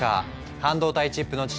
「半導体チップの父」